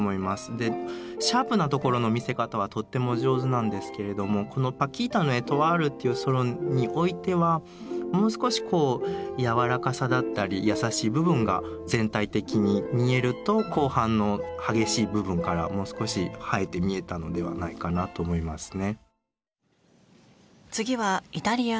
でシャープなところの見せ方はとっても上手なんですけれどもこの「パキータ」の「エトワール」っていうソロにおいてはもう少しこうやわらかさだったり優しい部分が全体的に見えると後半の激しい部分からもう少し映えて見えたのではないかなと思いますね。